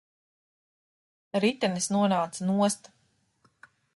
Ritenis nonāca nost.